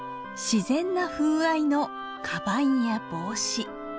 自然な風合いのカバンや帽子。